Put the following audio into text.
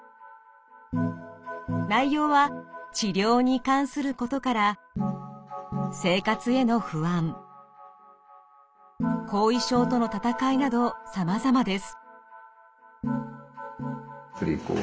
内容は治療に関することから生活への不安後遺症との闘いなどさまざまです。